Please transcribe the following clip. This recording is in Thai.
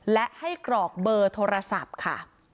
และให้กรอกเบอร์โทรศัพท์ค่ะ